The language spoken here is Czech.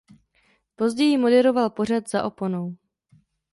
Později moderoval pořad "Za oponou".